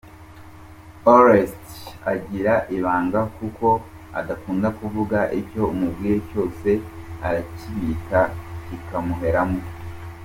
Oreste agira ibanga kuko adakunda kuvuga icyo umubwiye cyose arakibika kikamuheramo.